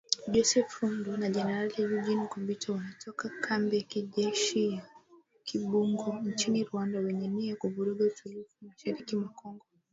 Joseph Rurindo na Generali Eugene Nkubito, wanatoka kambi ya kijeshi ya Kibungo nchini Rwanda wenye nia ya kuvuruga utulivu mashariki mwa Kongo